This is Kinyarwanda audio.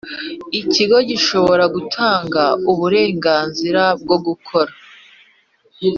Ikigo gishobora gutanga uburenganzira bwo gukora